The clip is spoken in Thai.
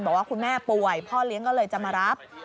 บอกว่าคุณแม่ป่วยพ่อเลี้ยงก็เลยจะมารับ